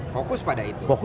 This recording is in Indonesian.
fokus pada itu